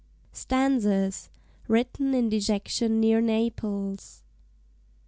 STANZAS WRITTEN IN DEJECTION NEAR NAPLES.